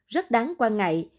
rất đáng quan ngại